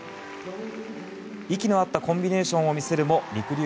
息の合ったコンビネーションを見せるもりくりゅ